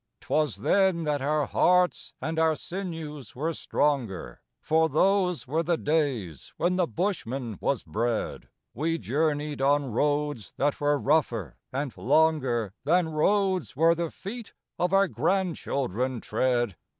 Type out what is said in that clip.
'Twas then that our hearts and our sinews were stronger, For those were the days when the bushman was bred. We journeyed on roads that were rougher and longer Than roads where the feet of our grandchildren tread.